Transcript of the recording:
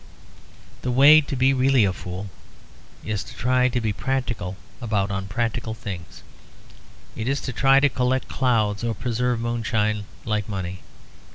The way to be really a fool is to try to be practical about unpractical things. It is to try to collect clouds or preserve moonshine like money.